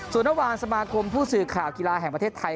ส่วนเมื่อวานสมาคมผู้สื่อข่าวกีฬาแห่งประเทศไทย